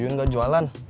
yuyun gak jualan